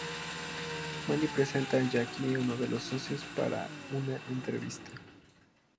Manny presenta a Jackie a uno de sus socios para una entrevista.